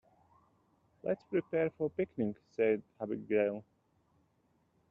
"Let's prepare for the picnic!", said Abigail.